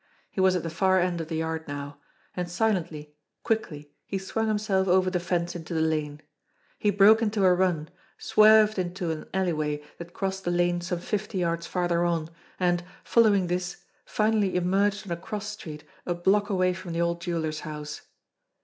He was at the far end of the yard now; and silently, quickly, he swung him self over the fence into the lane. He broke into a run, swerved into an alleyway that crossed the lane some fifty yards farther on, and, following this, finally emerged on a cross street a block away from the old jeweller's house.